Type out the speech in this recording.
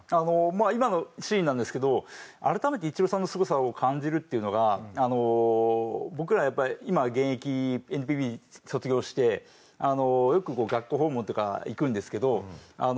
まあ今のシーンなんですけど改めてイチローさんのすごさを感じるっていうのが僕らやっぱり今は現役ＮＰＢ卒業してよく学校訪問とか行くんですけど。